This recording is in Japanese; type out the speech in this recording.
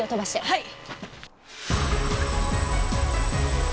はい。